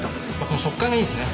この食感がいいですね。